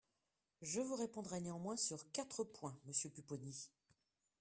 Je vous répondrai néanmoins sur quatre points, monsieur Pupponi.